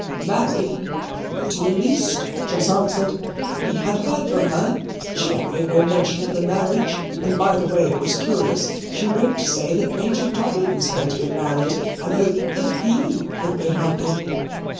"Married? not the least," Jos answered; "he had heard from her: she made no mention of the marriage, and by the way, it was curious, she wrote to say that Major Dobbin was going to be married, and hoped that HE would be happy."